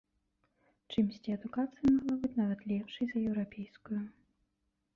Чымсьці адукацыя магла быць нават лепшай за еўрапейскую.